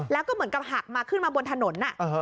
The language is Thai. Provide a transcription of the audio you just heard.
แล้วก็เหมือนกับหักมาขึ้นมาบนถนน